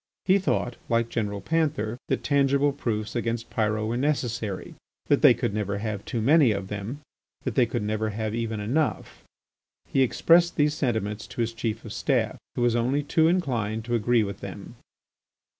He thought, like General Panther, that tangible proofs against Pyrot were necessary, that they could never ave too many of them, that they could never have even enough. He expressed these' sentiments to his Chief of Staff, who was only too inclined to agree with them.